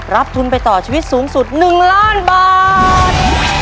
ทุนไปต่อชีวิตสูงสุด๑ล้านบาท